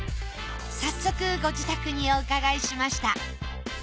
早速ご自宅にお伺いしました。